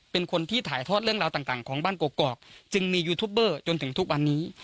เป็นคนที่ถ่ายทอดเรื่องราวต่างของบ้านกอกจึงมียูทูปเบอร์จนถึงทุกวันนี้